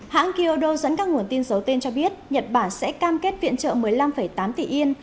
hãng kyodo dẫn các nguồn tin giấu tên cho biết nhật bản sẽ cam kết viện trợ một mươi năm tám tỷ yên